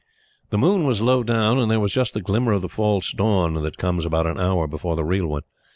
The moon was low down, and there was just the glimmer of the false dawn that comes about an hour before the real one.